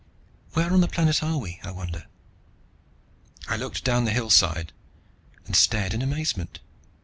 "Where on the planet are we, I wonder?" I looked down the hillside, and stared in amazement.